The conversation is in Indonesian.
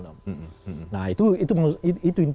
nah itu kira kira ininya kan